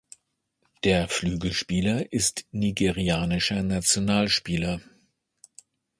Der Flügelspieler ist nigerianischer Nationalspieler.